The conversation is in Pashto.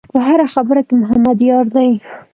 په هره خبره کې محمد یار دی.